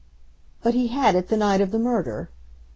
"But he had it the night of the murder?"